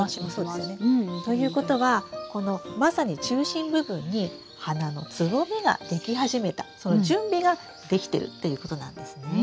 ということはこのまさに中心部分に花のつぼみができ始めたその準備ができてるっていうことなんですね。